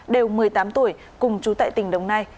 đều một mươi tám tuổi cùng chú tại tỉnh đồng nai